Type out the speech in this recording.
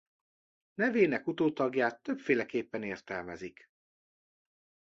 Nevének utótagját többféleképpen értelmezik.